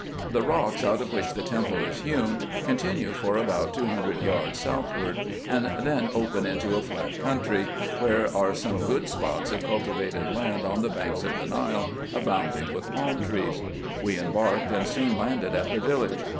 The rocks out of which the temple is hewn continue for about two hundred yards southward, and then open into a flat country, where are some good spots of cultivated land on the banks of the Nile, abounding with palm trees. We embarked, and soon landed at the village.